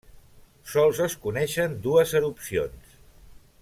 Sols es coneixen dues erupcions.